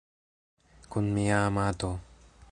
Kun mia amato.